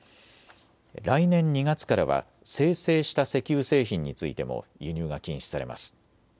来年２月からは精製した石油製品についても輸入が禁止されます。